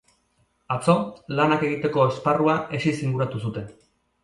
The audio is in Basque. Atzo, lanak egiteko esparrua hesiz inguratu zuten.